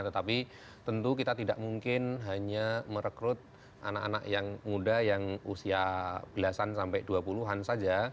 tetapi tentu kita tidak mungkin hanya merekrut anak anak yang muda yang usia belasan sampai dua puluh an saja